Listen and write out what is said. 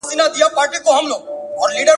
د جګړې ډګر د توپو ږغونو او ټکانو پر سر اخيستی وو.